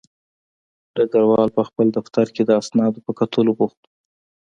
ډګروال په خپل دفتر کې د اسنادو په کتلو بوخت و